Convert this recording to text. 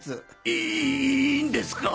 いいいんですか？